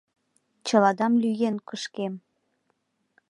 Чыладам лӱен кышкем!